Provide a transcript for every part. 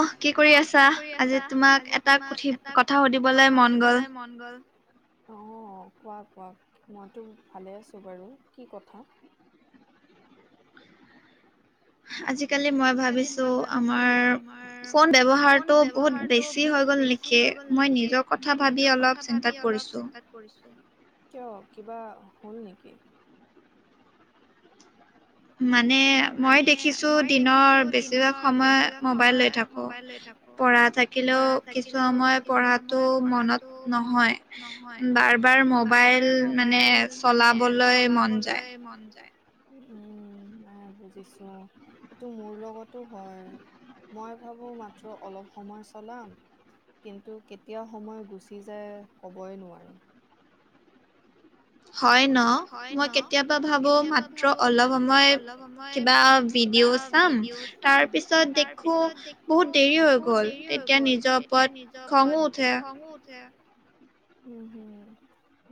অহ, কি কৰি আছা? আজি তোমাক এটা কথি, কথা সুধিবলৈ মন গ'ল। [unintelligible] অ কোৱা কোৱাক মইতো ভালে আছো বাৰু কি কথা আজি কালি মই ভাবিছো আমাৰ ফোন ব্যৱহাৰটো বহুত বেছি হৈ গ'ল নি কি মই নিজৰ কথা ভাবি অলপ চিন্তাত পৰিছো। কৰিছো কিয় কিবা হ'ল নেকি? মানে মই দেখিছো দিনৰ বেছিভাগ সময় মোবাইল লৈ থাকো ক'। পঢ়া থাকিলেও কিছু সময় পঢ়াটো মনত- নহয় বাৰ বাৰ মোবাইল মানে চলাবলৈ মন যায় উম এ বুজিছো এইটো মোৰ লগতো হয়। মই ভাবোঁ মাত্ৰ অলপ সময় চলাম। কিন্তু কেতিয়াও সময় গুচি যায় ক'বই নোৱাৰোঁ। হয় ন, মই কেতিয়াবা ভাবো, মাত্ৰ অলপ সময়। কিবা ভিডিঅ' চাম। তাৰপিছত দেখোঁ বহুত দেৰি হৈ গ'ল। এতিয়া নিজ- নিজৰ ওপৰত খঙো উঠে। উম' হুম।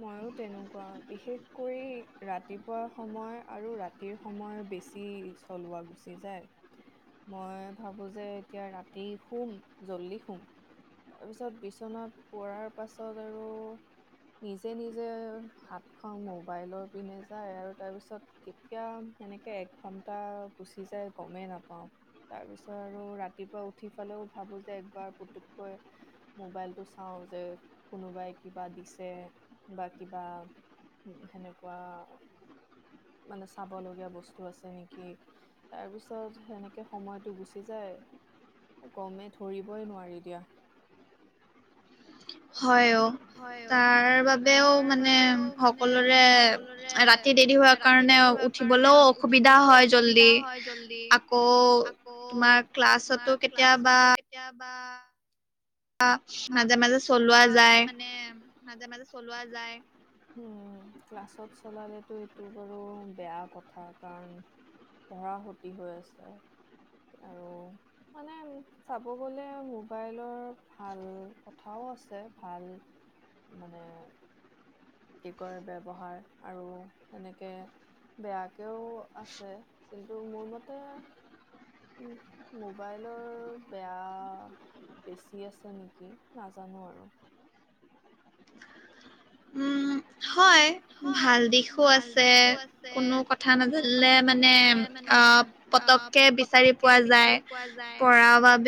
মইয়ো তেনেকুৱা, বিশেষ কৰি ৰাতিপুৱা সময় আৰু ৰা ৰাতিৰ সময় বেছি চলোৱা গুচি যায়। মই ভাবো যে এতিয়া ৰাতি শুম জল্দি শুম তাৰপিছত বিচনাত পৰাৰ পাছত আৰু। নিজে নিজে হাতখন মোবাইলৰ পিনে যায় আৰু তাৰপিছত- কেতিয়া এনেকে এক ঘণ্টা গুচি যায় গমেই নাপাওঁ। তাৰপিছত আৰু ৰাতিপুৱা উঠি ফালেও ভাবো যে একবাৰ পুতুককৈ মোবাইলটো চাওঁ যে- কোনোবাই কিবা দিছে, বা কিবা সেনেকুৱা। মানে চাবলগীয়া বস্তু আছে নেকি? তাৰপিছত সেনেকে সময়টো গুচি যায়। এ' গমে ধৰিবই নোৱাৰি দিয়া। হয় অ'। তাৰ বাবেও মানে সকলোৰে ৰাতি দেৰি হোৱাৰ কাৰণেও উঠিবলৌ অসুবিধা হয় জল্দি। আকৌ তোমাক- ক্লাছতো কেতিয়াবা। কেতিয়াবা। আ আ মানে মাজে মাজে চলোৱা যায়। উম' ক্লাছত চলালেতো এইটো বাৰু বেয়া কথা, কাৰণ পঢ়া খতি হৈ আছে। আৰু মানে, চাব গ'লে মোবাইলৰ ভা- ভাল কথাও আছে, ভাল, মানে কি কয়, ব্যৱহাৰ। আৰু সেনেকে- বেয়াকেও আছে, কিন্তু মোৰ মতে। উম, মোবাইলৰ বেয়া বেছি আছে নিকি নাজানো আৰু। উম হয় ভাল দিশো আছে কোনো কথা নাজানিলে মানে অ', পতককে বিচাৰি পোৱা যায়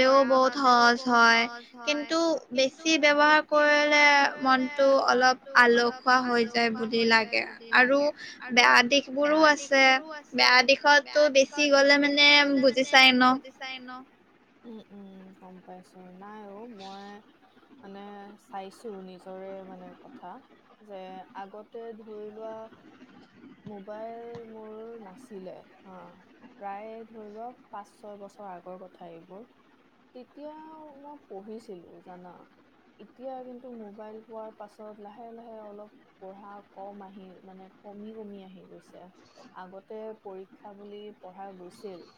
পঢ়া বাবেও বহুত সহজ হয় কিন্তু বেছি ব্যৱহাৰ কৰিলে মনটো অলপ আলসুৱা হৈ যায় বুলি লাগে আৰু বেয়া দিশবোৰো আছে বেয়া দিশ শতটো বেছি গ'লে মানে বুজি চাই ন উম উম গম পাইছোঁ নাই অ', মই মানে চাইছো নিজৰে মানে কথা যে আগতে ধৰি লোৱা মোবাইল মোৰ নাছিলে হা প্ৰায় ধৰি লোৱা পাঁচ ছয় বছৰ আগৰ কথা এইবোৰ। তেতিয়াও মই পঢ়িছিলো জানা এতিয়া কিন্তু মোবাইল পোৱাৰ পাছত লাহে লাহে অলপ পঢ়া কম আহি মানে ক মি কমি আহি গৈছে আগতে পৰীক্ষা বুলি পঢ়া গৈছিল।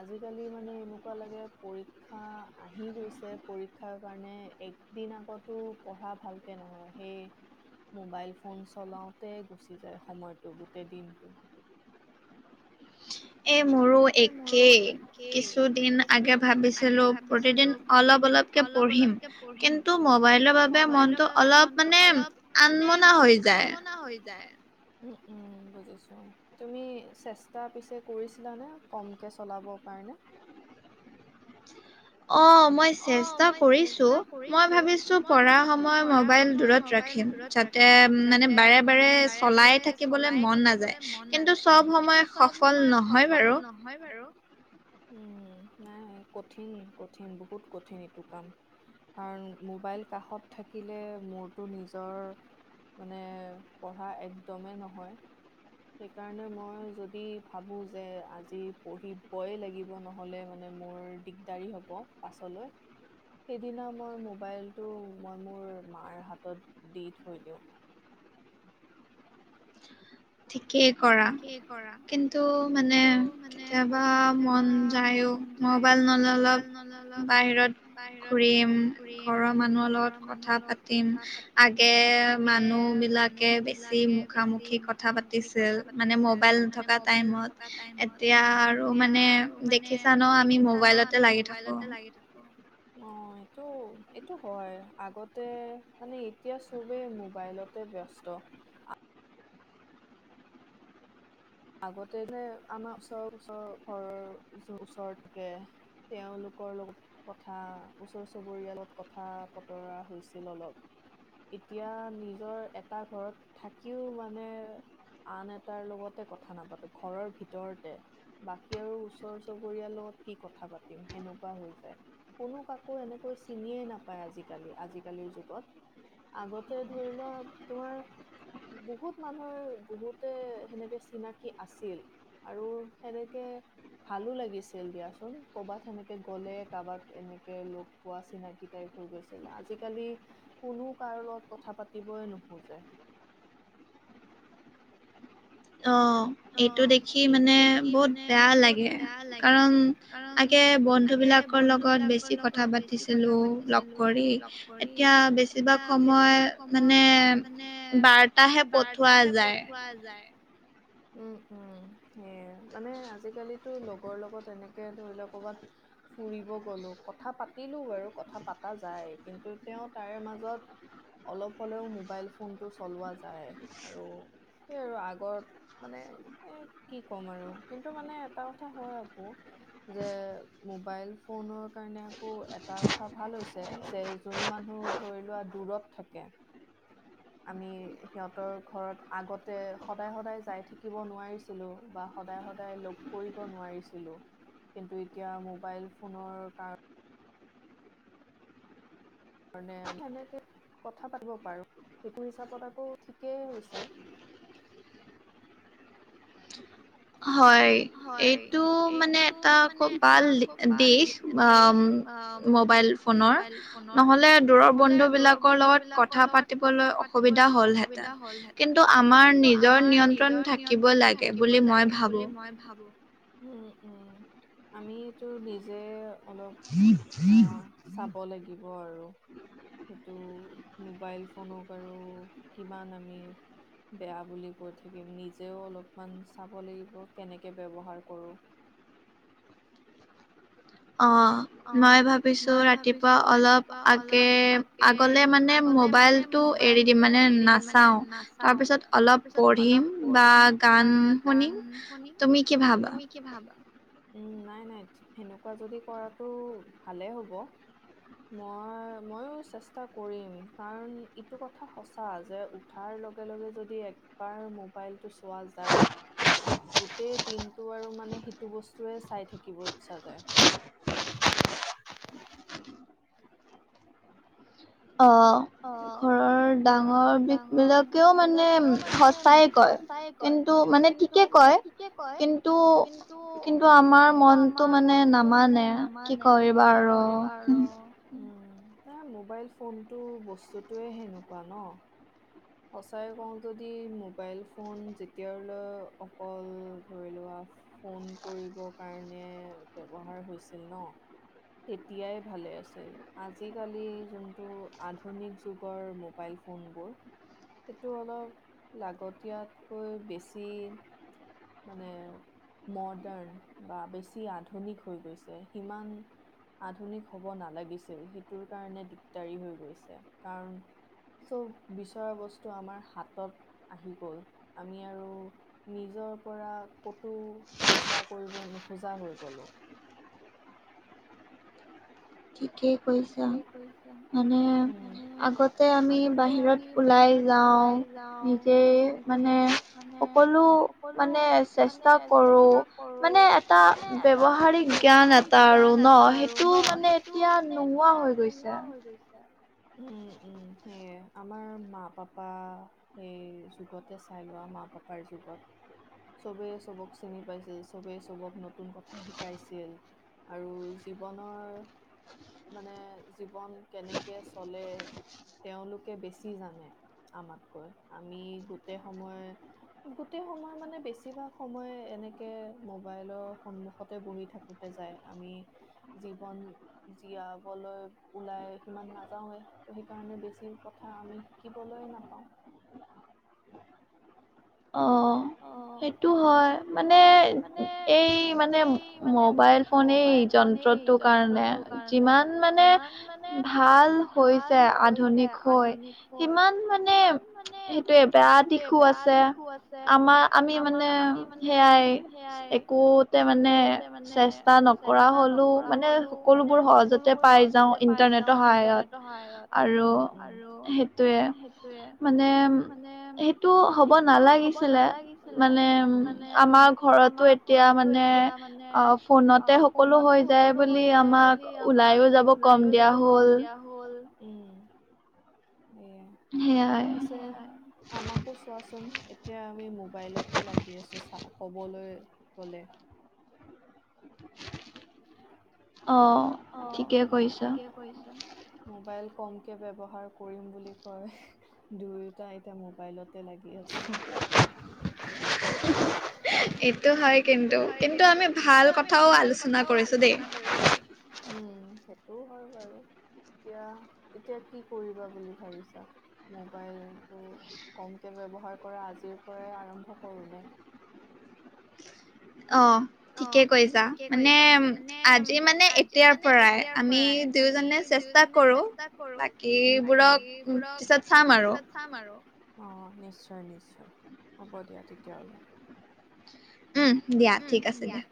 আজিকালি মানে এনুকুৱা লাগে পৰীক ক্ষা আহি গৈছে পৰীক্ষাৰ কাৰণে একদিন আগতো পঢ়া ভাল তে নহয় সেই মোবাইল ফোন চলাওঁতে গুচি ছি যায় সময়টো গোটেই দিনটো এ, মোৰো একেই কিছুদিন আগে ভাবিছিলোঁ প্ৰতিদিন অলপ অলপকে পঢ়িম কিন্তু মোবাইল বাবে মনটো অলপ মানে আনমনা হৈ যায়। উম উম বুজিছোঁ তুমি চেষ্টা পিছে কৰিছিলানে? কমকে চলাব কাৰণে অ', মই চেষ্টা কৰিছোঁ মই ভাবিছোঁ পঢ়া সময় মবাইল দূৰত ৰা খিম যাতে উম মানে বাৰে বাৰে চলাই থাকিবলে মন নাযায় কিন্তু সব সময়ে সফল নহ হয় বাৰু উম নাই কঠিন কঠিন বহুত কঠিন এইটো কাম কাৰণ মোবাইল কাষত থাকিলে মোৰতো নিজৰ মানে পঢ়া একদমেই নহয়। সেইকাৰণে মই যদি ভাবোঁ যে আজি পঢ়িব্বয়ে লাগিব নহ হ'লে মানে মোৰ দিগদাৰি হ'ব পাছলৈ সেইদিনা মই মোবাইলটো মই মোৰ মাৰ হাতত দি থৈ দিওঁ। ঠিকেই কৰা কিন্তু মানে কেতিয়াবা মন যায়ো। মবাইল নল'লেপ বাহিৰত ঘূৰিম ঘৰ মানুহৰ লগত কথা পাত তিম আগে মানুহ বিলাকে বেছি মুখামুখি ক'ত থা পাতিছিল মানে মবাইল নথকা টাইমত এতিয়া আৰু মানে দেখিছা ন আমি মোবাইলত এ, লাগি থাক বাইলতে লাগি থাকক অ'। অ', এইটো এইটো হয় আগতে মানে এতিয়া চবেই মোবাইলত তে ব্যস্ত আগতে যে আমা ওচৰৰ ওচৰৰ ঘৰৰ যোন ওচৰত থাকে তেওঁলোকৰ লগত কথা, ওচৰ চুবুৰীয়া লগত কথা বতৰা হৈছিল অলপ। এতিয়া নিজৰ এটা ঘৰত থাকিও মানে আন এটাৰ লগতে কথা নাপাতো, ঘৰৰ ভিতৰতে। বাকী আৰু ওচৰ চুবুৰীয়াৰ লগত কি কথা পাতিম, সেনেকুৱা হৈ যায়। কোনো কাকো এনেকৈ চিনিয়ে নাপায় আজিকালি আজিকালিৰ যুগত। আগতে ধৰি লোৱা তোমাৰ। বহুত মানুহৰ বহুতে সেনেকে চিনি চিনাকি আছিল। আৰু সেনেকে ভালো লাগিছিল দিয়াচোন কৰ'বাত সেনেকে গ'লে, কাৰোবাত এনেকে লগ পোৱা চিনাকি টাইপ হৈ গৈছিল, আজিকালি কোনো কাৰো লগত কথা পাতিবই নোখোজে। অ। এইটো দেখি মানে বহুত বেয়া লাগে, কাৰণ আগে বন্ধু বিলাকৰ লগ গত বেছি কথা পাতিছিলো লগ কৰি, এতিয়া বেছিভাগ সময় মানে বাৰ্তাহে পঠোৱা যায়। উম' উম' সেয়াই মানে আজিকালিতো লগৰ লগত এনেকে ধৰি লোৱা কৰ'বাত ফুৰিব গলো কথা পাতিলো বাৰু কথা পাতা যায়, কিন্তু তেওঁ তাৰে মাজত অলপ হ'লেও মোবাইল ফোনটো চলোৱা যায়, আৰু সেই আৰু আগৰ মানে এ কি ক'ম আৰু, কিন্তু মানে এটা কথা হয় আকৌ যে মোবাইল ফোনৰ কাৰণে আকৌ এটা কথা ভাল হৈছে। যে যোন মানুহ ধৰি লোৱা দূৰত থাকে। আমি সিহঁতৰ ঘৰত আগতে সদায় সদায় যাই থাকিব নোৱাৰিছি ছিলো বা সদায় সদায় লগ কৰিব নোৱাৰিছিলো। কিন্তু এতিয়া মোবাইল ফোনৰ কাৰণ ণে সেনেকে কথা পাতিব পাৰো, সেইটো হিচাপত আকৌ ঠিকেই হৈছে। হয়। এইটো মানে এটা খুব ভাল দিশ। অম মোবাইল ফোনৰ, নহলে দূৰৰ বন্ধু বিলাকৰ লগত কথা পাতিবলৈ অসুবিধা হল হেতেন, কিন্তু আমাৰ নিজৰ নিয়ন্ত্ৰণ থাকিব লাগে বুলি মই ভা বুলি মই ভাবোঁ, আমিটো নিজে অলপ আ চাব লাগিব আৰু। মোবাইল ফোনক আৰু কিমান আমি বেয়া বুলি কৈ থাকিম, নিজেও অলপমান চাব লাগিব কেনেকে ব্যৱহাৰ কৰো। অঁ। মই ভাবিছো ৰাতিপুৱা অলপ আগে আগলে মানে মবাইল টো এৰি দিম মানে নাচাওঁ, তাৰপিছত অলপ পঢ়িম বা গান শুনিম, তুমি কি ভাবা? কি ভাবা? উম' নাই নাই সেনেকুৱা যদি কৰাটো ভালেই হ'ব। মই ময়ো চেষ্টা কৰিম, কাৰণ ইটো কথা সঁচা যে উঠাৰ লগে লগে যদি একবাৰ মোবাইলটো চোৱা যায়। গোটেই দিনটো আৰু মানে সিটো বস্তুৱে চাই থাকিব ইচ্ছা যায়। অ। ঘৰৰ ডাঙৰ বিষ বিলাকেও মানে সচাই কয়। কিন্তু মানে ঠিকে কয়, কিন্তু কিন্তু আমাৰ মন টো মানে নামানে, কি কৰিবা আৰু। উম' না মোবাইল ফোনটো বস্তুটোয়ে সেনেকুৱা ন। সঁচাই কওঁ যদি মোবাইল ফোন যেতিয় লৈ অকল ধৰি লোৱা ফোন কৰিব কাৰণে ব্যৱহাৰ হৈছিল ন তেতিয়াই ভালে আছিল, আজিকালি যোনটো আধুনিক যুগৰ মোবাইল ফোনবোৰ সেইটো অলপ লাগতিয়াতকৈ বেছি মানে মডাৰ্ণ বা বেছি আধুনিক হৈ গৈছে সিমান আধুনিক হ'ব নালাগিছিল, সেইটোৰ কাৰণে দিগদাৰী হৈ গৈছে কাৰণ চব বিচৰা বস্তু আমাৰ হাতত আহি গল আমি আৰু নিজৰ পৰা ক'তো চেষ্টা কৰিব নোখোজা হৈ গ'লো। থিকে কৈছা, মানে আগতে আমি বাহিৰত ওলাই যাওঁ, নিজেই মানে সকলো মানে চেষ্টা কৰো। মানে এটা ব্যৱহাৰিক জ্ঞান এটা আৰু ন সেইটো মানে এতিয়া নো এতিয়া নোহোৱা হৈ গৈছে। উম উম সেয়েই, আমাৰ মা পাপা সেই যুগতে চাই লোৱা মা পাপাৰ যুগত। চবেই চবক চিনি পাইছিল, চবেই চবক নতুন কথা শিকাইছিল আৰু জীৱনৰ মানে জীৱন কেনেকে চলে তেওঁলোকে বেছি জানে আমাতকৈ, আমি গোটেই সময়ে গোটেই সময় মানে বেছিভাগ সময় এনেকে মোবাইলৰ সন্মুখতে বহি থাকো তে যায় আমি জীৱন জীয়াবলৈ ওলাই সিমান নাযাওঁৱেই ত সেইকাৰণে বেছি কথা আমি শিকিবলৈ নাপাওঁ। অঁ সেইটো হয়, মানে এই মানে মোবাইল ফনে যন্ত্ৰটোৰ কাৰণে যিমান মানে ভাল হৈছে আধুনিক হৈ সিমান মানে সেইটোয়ে বেয়া দিশু আছে, আম আমি মানে সেয়াই একোতে মানে চেষ্টা নক কৰা হলোঁ মানে সকলোবোৰ সহজতে পাই যাওঁ ইন্টাৰনেটৰ সহায়ত। আৰু সেইটোৱে মানে সেইটো হ'ব নালাগিছি লে মানে উ আমাৰ ঘৰতো এতিয়া মানে অফ ফোনতে সকলো হৈ যায় বুলি আমাক ওলাইও যাব কম দিয়া হ'ল। উম সেয়া পিছে আমাকো চোৱাচোন এতিয়া আমি মোবাইলতে লাগি আছো চা ক'বলৈ গ'লে অ। অ ঠিকে কৰিছ। মোবাইল কমকে ব্যৱহাৰ কৰিম বুলি কয় দুয়োটা এতিয়া মোবাইলতে লাগে কে আছে। [unintelligible] এইটো হয় কিন্তু, কিন্তু আমি ভাল কথাও আলোচনা কৰিছো দেই। উম সেইটোও হয় বাৰু। এতিয়া এতিয়া কি কৰিবা বুলি ভাবিছা? মোবাইলটো কমকৈ ব্যৱহাৰ কৰা আজিৰ পৰাই আৰম্ভ কৰোঁনে। অ' ঠিকে কৈছা, মানে আজি মানে এতিয়াৰ পৰাই আমি দুয়োজনে চেষ্টা কৰোঁ, বাকীবোৰক পিছত চাম আৰু। চাম আৰু, অ' নিশ্চয়-নিশ্চয় হ'ব দিয়া তেতিয়া হ'লে। উম' দিয়া, ঠিক আছে দিয়া।